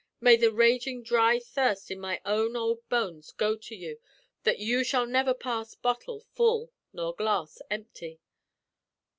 May the ragin' dry thirst in my own ould bones go to you, that you shall never pass bottle full nor glass empty!